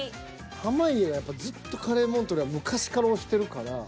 濱家はずっとカレ―モントレ―は昔から推してるから。